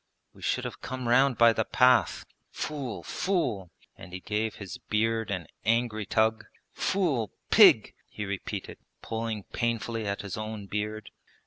We should have come round by the path.... Fool! fool!' and he gave his beard an angry tug. Fool! Pig!' he repeated, pulling painfully at his own beard.